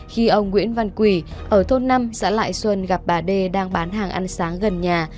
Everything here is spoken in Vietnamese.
khi ông nguyễn văn quỳ ở thôn năm xã lại xuân gặp bà đê đang bán hàng ăn sáng gần nhà